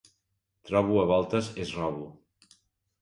Trobo a voltes és robo.